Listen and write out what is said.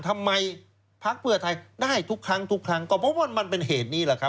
ทำไมพักเผื่อไทยได้ทุกครั้งก็เพราะว่ามันเป็นเหตุนี้แหละครับ